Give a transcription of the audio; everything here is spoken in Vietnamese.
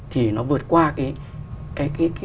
thì nó vượt qua cái